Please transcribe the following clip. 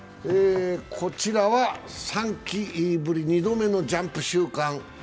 こちらは３季ぶり、２度目のジャンプ週間。